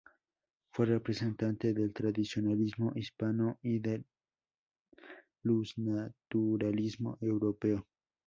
Fue representante del tradicionalismo hispano y del iusnaturalismo europeo.